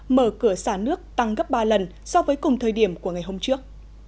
mở cửa xả nước tăng gấp ba lần so với cùng thời điểm của ngày hôm trước